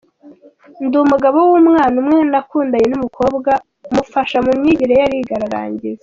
Ndi Umugabo w’umwana umwe nakundanye n’umukobwa mufasha mu myigire ye ariga ararangiza.